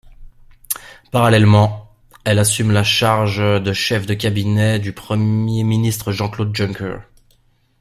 Parallèlement, elle assume la charge de chef de cabinet du Premier ministre Jean-Claude Juncker.